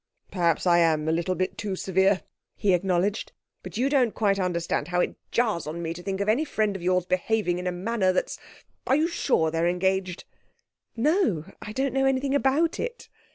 'Perhaps I am a little bit too severe,' he acknowledged. 'But you don't quite understand how it jars on me to think of any friend of yours behaving in a manner that's are you sure they're engaged?' 'No; I don't know anything about it.'